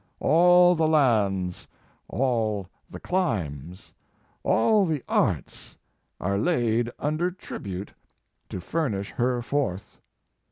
All the lands, all the climes, all the arts are laid under tribute to furnish her forth.